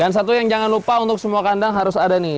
dan satu yang jangan lupa untuk semua kandang harus ada nih